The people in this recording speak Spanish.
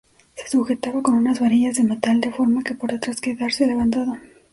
Se sujetaba con unas varillas de metal de forma que por detrás quedase levantado.